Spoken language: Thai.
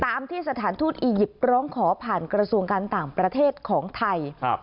ที่สถานทูตอียิปต์ร้องขอผ่านกระทรวงการต่างประเทศของไทย